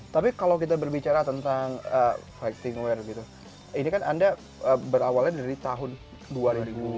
tapi kalau kita berbicara tentang fightingwear gitu ini kan anda berawalnya dari tahun dua ribu sebelas ya